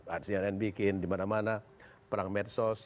atau yang lain lain bikin di mana mana perang medsos